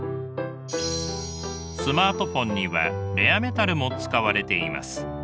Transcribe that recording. スマートフォンにはレアメタルも使われています。